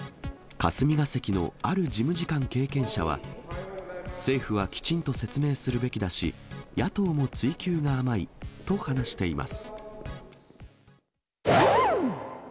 霞が関のある事務次官経験者は、政府はきちんと説明するべきだし、野党も追及が甘いと話しています。